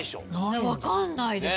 わかんないですね。